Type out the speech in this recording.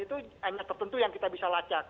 itu anak tertentu yang kita bisa lacak